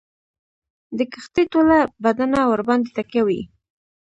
د کښتۍ ټوله بدنه ورباندي تکیه وي.